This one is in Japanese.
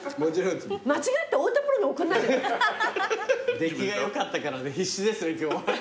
出来がよかったからね必死ですね今日は。